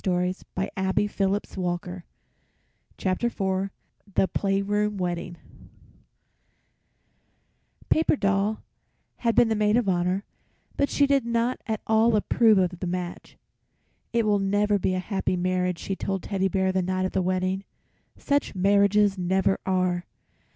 THE PLAYROOM WEDDING [Illustration: The Playroom Wedding] Paper Doll had been the maid of honor, but she did not at all approve of the match. "It will never be a happy marriage," she told Teddy Bear the night of the wedding. "Such marriages never are.